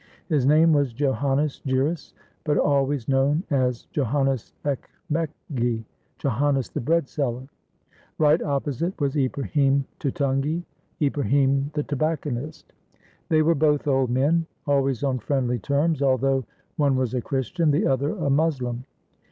His name was Joannes Giras, but always known as Joannes Ekmekgi — Joannes the breadseller. Right opposite was Ibrahim Tutungi — Ibrahim the tobacconist. They were both old men, al ways on friendly terms, although one was a Christian, the other a Moslem.